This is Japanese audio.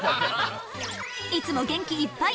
いつも元気いっぱい！